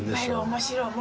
面白い。